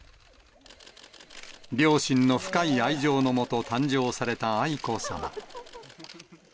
両親の深い愛情のもと、誕生された愛子さま。